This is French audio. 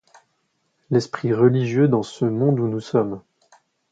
L'esprit religieux, dans ce monde où nous sommes